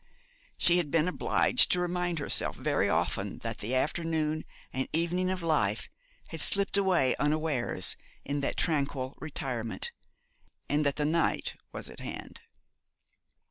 She had been obliged to remind herself very often that the afternoon and evening of life had slipped away unawares in that tranquil retirement, and that the night was at hand.